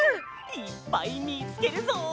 いっぱいみつけるぞ！